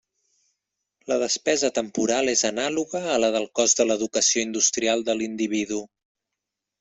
La despesa temporal és anàloga a la del cost de l'educació industrial de l'individu.